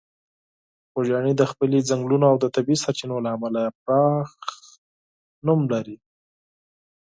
خوږیاڼي د خپلې ځنګلونو او د طبیعي سرچینو له امله پراخه شهرت لري.